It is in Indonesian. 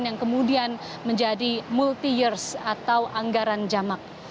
yang kemudian menjadi multi years atau anggaran jamak